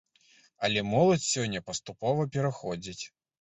Але моладзь сёння паступова пераходзіць.